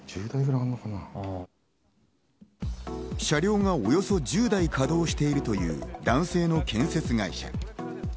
車両がおよそ１０台稼働しているという男性の建設会社。